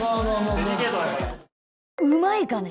うまいかね？